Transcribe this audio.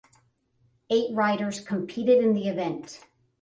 Eight riders competed in the event.